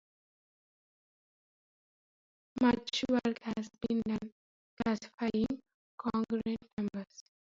Much work has been done classifying congruent numbers.